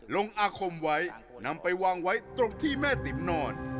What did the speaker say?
ลงอาคมไว้นำไปวางไว้ตรงที่แม่ติ๋มนอน